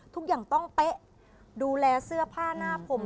ทุกอย่างต้องเป๊ะดูแลเสื้อผ้าหน้าผม